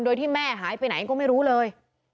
โดยที่แม่หายไปไหนก็ไม่รู้เลย